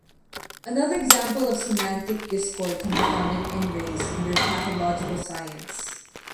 Another example of semantic discord can be found in N-rays under pathological science.